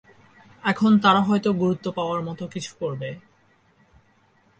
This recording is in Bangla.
এখন তারা হয়তো গুরুত্ব পাওয়ার মতো কিছু করবে।